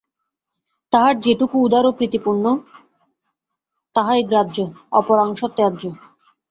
তাহার যেটুকু উদার ও প্রীতিপূর্ণ, তাহাই গ্রাহ্য, অপরাংশ ত্যাজ্য।